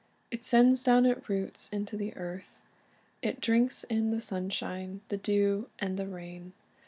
It sends down its roots into the earth. It drinks in the sunshine, the dew, and the rain.